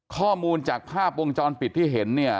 ข้อมูลจากภาพวงจรปิดที่เห็นเนี่ย